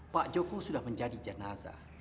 pak jokowi sudah menjadi jenazah